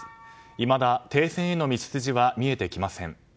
いまだ停戦への道筋は見えてきません。